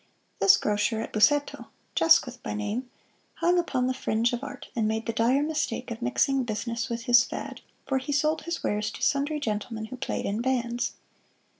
This grocer, at Busseto, Jasquith by name, hung upon the fringe of art, and made the dire mistake of mixing business with his fad, for he sold his wares to sundry gentlemen who played in bands.